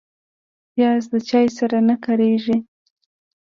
پیاز د چای سره نه کارېږي